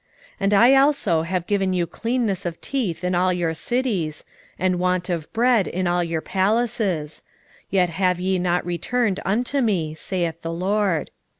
4:6 And I also have given you cleanness of teeth in all your cities, and want of bread in all your places: yet have ye not returned unto me, saith the LORD.